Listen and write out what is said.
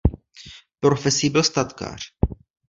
Profesí byl statkář.